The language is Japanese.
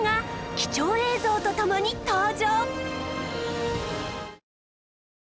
貴重映像と共に登場！